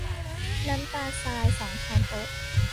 น้ำตาลทราย สองช้อนโต๊ะ